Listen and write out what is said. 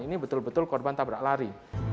ini betul betul korban tabrak lari